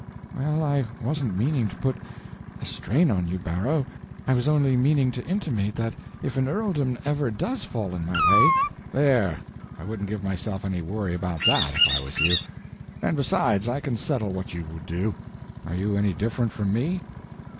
"Well, I wasn't meaning to put—a strain on you, Barrow, I was only meaning to intimate that if an earldom ever does fall in my way—" "There—I wouldn't give myself any worry about that, if I was you. And besides, I can settle what you would do. Are you any different from me?"